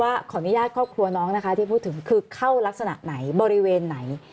ขออนุญาตครอบครัวน้องนะคะที่พูดถึงคือเข้ารักษณะไหนบริเวณไหน